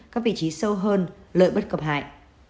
các vị trí sâu hơn lợi bất cập hại